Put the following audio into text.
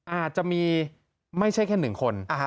อาจจะมีไม่ใช่แค่หนึ่งคน